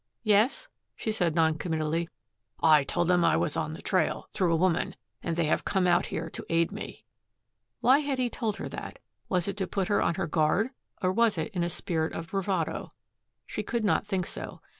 "Yes?" she said non committally. "I told them I was on the trail, through a woman, and they have come here to aid me." Why had he told her that? Was it to put her on her guard or was it in a spirit of bravado? She could not think so.